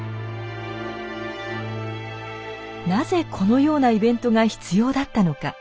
なぜこのようなイベントが必要だったのか。